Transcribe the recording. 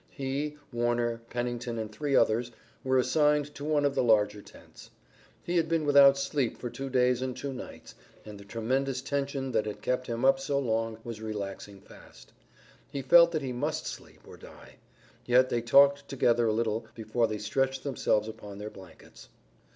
He, Warner, Pennington and three others were assigned to one of the larger tents. He had been without sleep for two days and two nights, and the tremendous tension that had kept him up so long was relaxing fast. He felt that he must sleep or die. Yet they talked together a little before they stretched themselves upon their blankets.